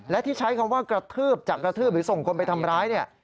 และที่ใช้คำว่ากระทืบจากกระทืบหรือส่งคนไปทำร้ายเนี่ย